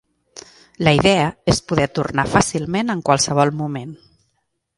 La idea és poder tornar fàcilment en qualsevol moment.